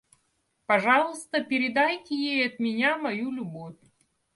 Пожалуйста, передайте ей от меня мою любовь.